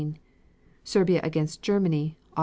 Serbia against Germany, Aug.